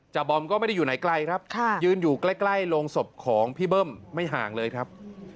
บอมก็ไม่ได้อยู่ไหนไกลครับยืนอยู่ใกล้โรงศพของพี่เบิ้มไม่ห่างเลยครับ